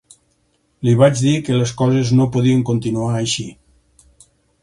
Li vaig dir que les coses no podien continuar així.